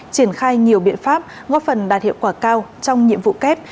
triển khai nhiều biện pháp góp phần đạt hiệu quả cao trong nhiệm vụ kép